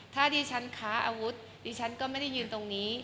ถ้าดิฉันค้าอาวุธดิฉันก็ไม่ได้ยืนตรงนี้